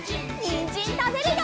にんじんたべるよ！